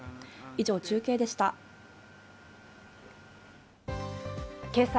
以上、中継でした。